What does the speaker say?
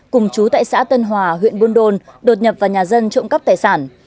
cùng chú tại xã tân hòa huyện buôn đôn đột nhập vào nhà dân trộm cắp tài sản